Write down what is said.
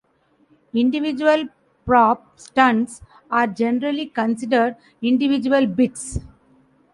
Individual prop stunts are generally considered individual bits.